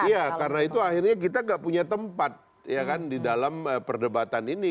iya karena itu akhirnya kita gak punya tempat ya kan di dalam perdebatan ini